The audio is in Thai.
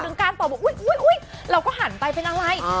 ดึงก้านตอบอุ๊ยเราก็หันไปเป็นอะไร